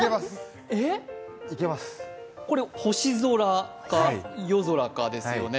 これ、星空か夜空かですよね